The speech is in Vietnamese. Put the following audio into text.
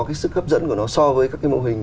cái sức hấp dẫn của nó so với các cái mô hình